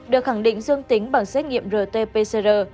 được khẳng định dương tính bằng xét nghiệm rt pcr